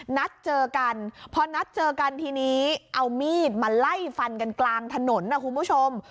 นัดเจอกันพอนัดเจอกันทีนี้เอามีดมาไล่ฟันกันกลางถนนนะคุณผู้ชม